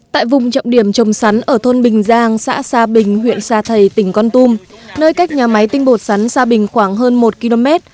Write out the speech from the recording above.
tại vùng trọng điểm trồng sắn ở thôn bình giang xã sa bình huyện sa thầy tỉnh con tum nơi cách nhà máy tinh bột sắn sa bình khoảng hơn một km